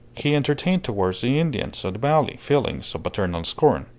He entertained towards the Indians of the valley feelings of paternal scorn.